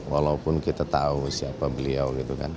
walaupun kita tahu siapa beliau